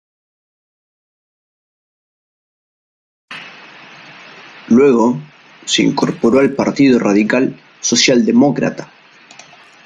Luego, se incorporó al Partido Radical Socialdemócrata.